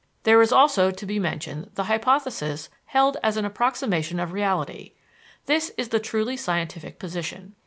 There is also to be mentioned the hypothesis held as an approximation of reality this is the truly scientific position.